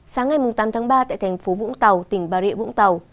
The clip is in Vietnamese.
sáng ngày tám tháng ba tại thành phố vũng tàu tỉnh bà rịa vũng tàu